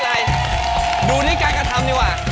เปิดอีกครั้ง